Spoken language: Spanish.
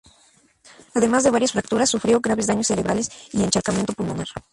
Además de varias fracturas, sufrió graves daños cerebrales y encharcamiento pulmonar.